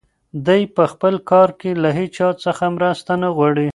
دی په خپل کار کې له هیچا څخه مرسته نه غواړي.